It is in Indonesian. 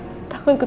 masalah pasti cemas